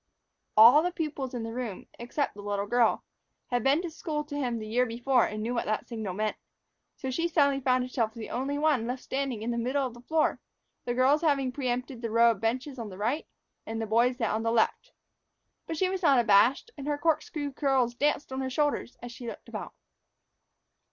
All the pupils in the room, except the little girl, had been to school to him the year before and knew what the signal meant. So she suddenly found herself the only one left standing in the middle of the floor, the girls having preempted the row of benches on the right, and the boys that on the left. But she was not abashed, and her corkscrew curls danced on her shoulders as she looked about.